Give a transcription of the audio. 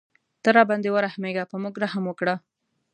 ته راباندې ورحمېږه په موږ رحم وکړه.